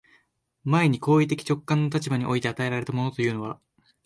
前に行為的直観の立場において与えられたものというのは、